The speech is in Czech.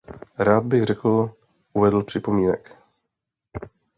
Rád bych řekl uvedl připomínek.